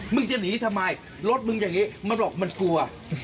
จะหนีทำไมรถมึงอย่างนี้มึงบอกมันกลัว